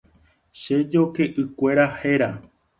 Che joykeʼykuéra héra.